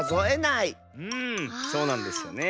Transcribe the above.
うんそうなんですよね。